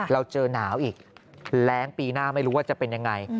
เราเจอหนาวอีกแรงปีหน้าไม่รู้ว่าจะเป็นยังไง